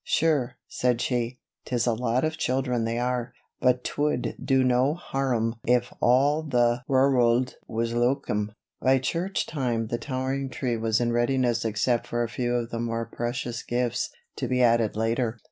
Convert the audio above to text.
"Sure," said she, "'tis a lot of children they are; but 'twould do no harrum if all the wurruld was loike 'em." By church time the towering tree was in readiness except for a few of the more precious gifts, to be added later.